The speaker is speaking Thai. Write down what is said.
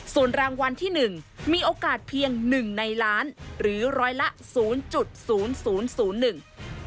ส่วนรางวัลที่หนึ่งมีโอกาสเพียงหนึ่งในล้านหรือร้อยละศูนย์จุดศูนย์ศูนย์ศูนย์หนึ่ง